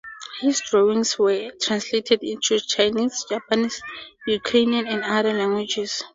His drawings were translated into Chinese, Japanese, Ukrainian, and other languages.